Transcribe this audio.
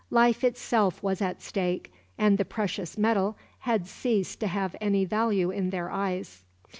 Life itself was at stake, and the precious metal had ceased to have any value in their eyes.